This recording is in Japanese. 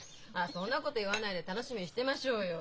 そんなこと言わないで楽しみにしてましょうよ。